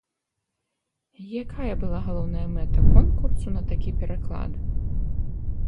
Якая была галоўная мэта конкурсу на такі пераклад?